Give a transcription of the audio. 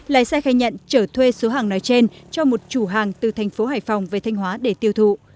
lái xe khai nhận trở thuê số hàng nói trên cho một chủ hàng từ thành phố hải phòng về thanh hóa để tiêu thụ